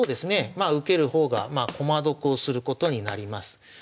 まあ受ける方が駒得をすることになります。